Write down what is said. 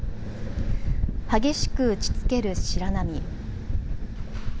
激しく打ちつける白波。